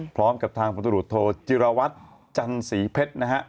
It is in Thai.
พร้อมกับทางผลตรวจโทจิรวัตรจันสีเพชรนะฮะ